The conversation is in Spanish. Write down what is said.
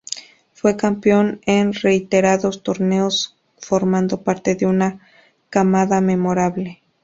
Fue campeón en reiterados torneos, formando parte de una camada memorable.